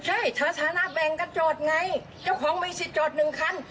ใช่สถานะแบ่งกันจอดไงเจ้าของมีสิทธิ์จอดหนึ่งคัน